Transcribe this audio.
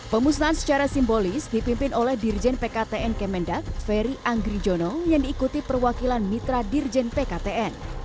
pemusnahan secara simbolis dipimpin oleh dirjen pktn kemendak ferry anggrijono yang diikuti perwakilan mitra dirjen pktn